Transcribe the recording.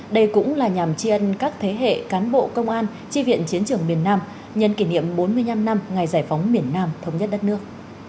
đây cũng là nhằm tri ân các thế hệ cán bộ công an tri viện chiến trường miền nam nhân kỷ niệm bốn mươi năm năm ngày giải phóng miền nam thống nhất đất nước